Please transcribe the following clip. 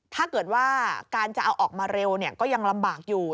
ถ้าเกิดว่าการจะเอาออกมาเร็วก็ยังลำบากอยู่